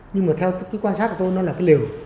nhưng mà theo cái quan sát của tôi nó là cái liều